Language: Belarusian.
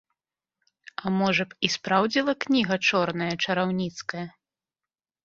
А можа б, і спраўдзіла кніга чорная чараўніцкая?